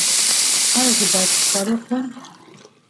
ایا زه باید ښکار وکړم؟